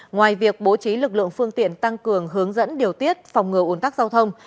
ngoài việc bố trí lực lượng phương tiện tăng cường hướng dẫn điều tiết phòng ngừa ủn tắc giao thông